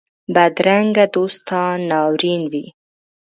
بدرنګه دوستان ناورین وي